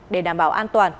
để đảm bảo an toàn